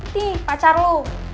nih pacar lu